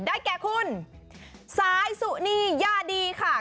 แก่คุณสายสุนียาดีค่ะ